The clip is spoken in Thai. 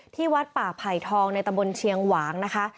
ที่วัดป่าไผ่ทองในตะบนเชียงหวางนะคะ